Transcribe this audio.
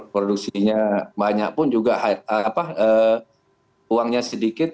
produksinya banyak pun juga uangnya sedikit